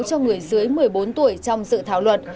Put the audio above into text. cho người dưới một mươi bốn tuổi trong dự thảo luật